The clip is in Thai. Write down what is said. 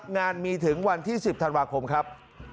งานมีถึงวันที่๑๐ธันวาคมครับ